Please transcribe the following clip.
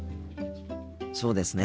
そうですね。